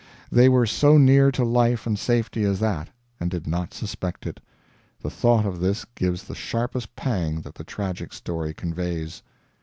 They were so near to life and safety as that, and did not suspect it. The thought of this gives the sharpest pang that the tragic story conveys.